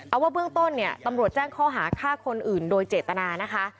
เอาว่าเบื้องต้นเนี่ยตำรวจแจ้งข้อหาฆ่าคนอื่นโดยเจตนานะคะ